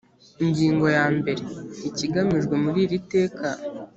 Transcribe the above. ingingo ya mbere ikigamijwe muri iri teka